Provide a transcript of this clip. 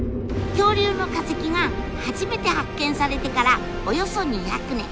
恐竜の化石が初めて発見されてからおよそ２００年。